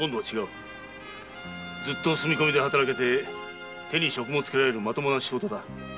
ずっと住み込みで働けて手に職もつけられるまっとうな仕事だ。